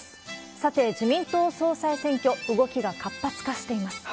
さて、自民党総裁選挙、動きが活発化しています。